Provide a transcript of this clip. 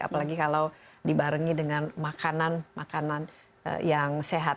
apalagi kalau dibarengi dengan makanan makanan yang sehat